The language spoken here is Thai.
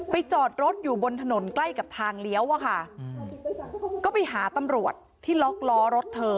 จอดรถอยู่บนถนนใกล้กับทางเลี้ยวอะค่ะก็ไปหาตำรวจที่ล็อกล้อรถเธอ